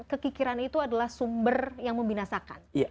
kekikiran itu adalah sumber yang membinasakan